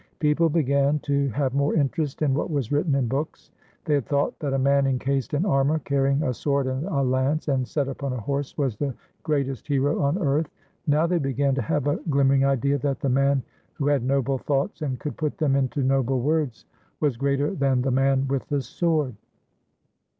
People began to have more interest in what was written in books. They had thought that a man encased in armor, carrying a sword and a lance, and set upon a horse, was the great 34 FRANCESCO PETRARCH est hero on earth. Now they began to have a glimmer ing idea that the man who had noble thoughts and could put them into noble words was greater than the man with the sword.